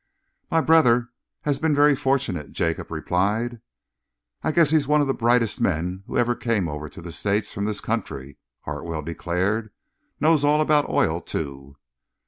"My brother has been very fortunate," Jacob replied. "I guess he is one of the brightest men who ever came over to the States from this country," Hartwell declared. "Knows all about oil, too."